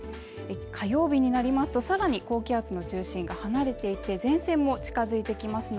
火曜日になりますとさらに高気圧の中心が離れていって前線も近づいてきます